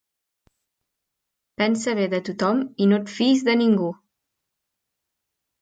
Pensa bé de tothom i no et fiis de ningú.